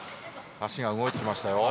足が動いてきましたよ。